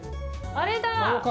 あれだ！